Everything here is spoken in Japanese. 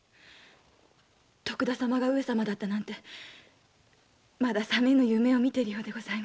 徳田様が上様だったなんてまだ覚めぬ夢を見ているようです。